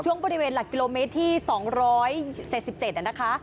ช่วงบริเวณหลักกิโลเมตรที่สองร้อยเจ็ดสิบเจ็ดน่ะนะคะ